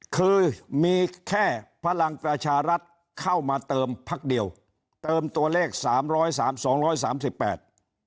คือมีแค่พลังประชารัฐเข้ามาเติมพักเดียวเติมตัวเลขสามร้อยสามสองร้อยสามสิบแปด